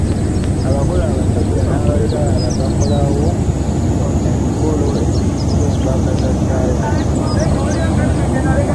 Abagole abasajja n'abakyala bakolawo emikolo egiyitibwa embaga za ssaayansi.